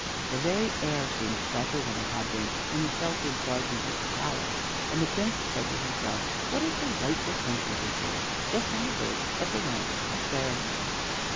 The very air seemed fresher than it had been in the sheltered gardens of the palace, and the Prince said to himself: "What a delightful country this is, just on the verge of the land of Prosperity."